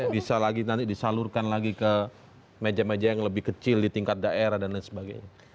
bisa lagi nanti disalurkan lagi ke meja meja yang lebih kecil di tingkat daerah dan lain sebagainya